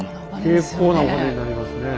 結構なお金になりますね。